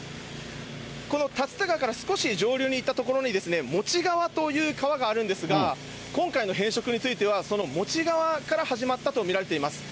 この竜田川から少し上流に行った所に、もち川という川があるんですが、今回の変色については、そのモチ川から始まったと見られています。